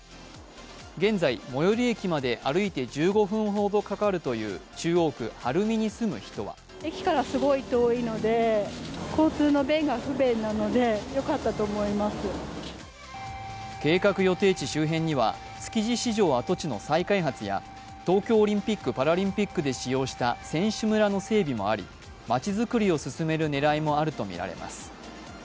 現在、最寄り駅まで歩いて１５分ほどかかるという、中央区晴海に住む人は計画予定地周辺には築地市場跡地の再開発や東京オリンピック・パラリンピックで使用した選手村の整備もあり、街づくりを進める狙いもあるとみられます。